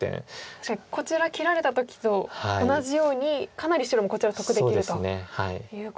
確かにこちら切られた時と同じようにかなり白もこちら得できるということですね。